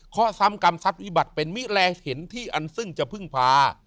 ข้อซ้ำกรรมทรัพย์วิบัติเป็นมิแลเห็นที่อันซึ่งจะพึ่งพา